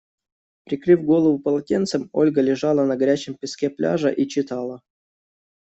Прикрыв голову полотенцем, Ольга лежала на горячем песке пляжа и читала.